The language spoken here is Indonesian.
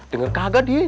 dengar kaget dia